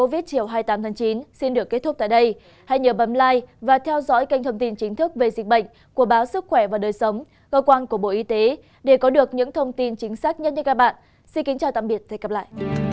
để có được những thông tin chính xác nhất như các bạn xin kính chào tạm biệt và hẹn gặp lại